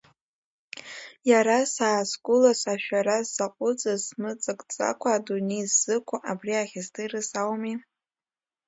Иара саазқәылаз ашәара сзаҟәыҵыз, смыццакӡакәа адунеи сзықәу абри ахьыздырыз ауми…